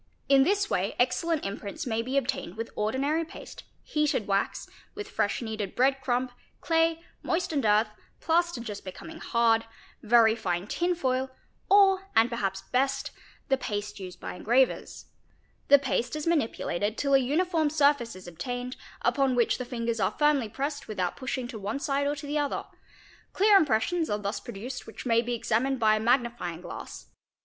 In this way excellent imprints may be obtained with ordinary paste, heated wax, with fresh kneaded bread crumb, clay, moistened earth, plaster just becoming hard, very fine tin foil, or, and per haps best, the paste used by engravers®®, The paste is manipulated till a uniform surface is obtained, upon which the fingers are firmly pressed with out pushing to one side or to the other; clear impressions are thus produced which may be examined by a magnifying glass.